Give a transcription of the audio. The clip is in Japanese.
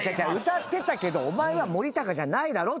歌ってたけどお前は森高じゃないだろっつってんの。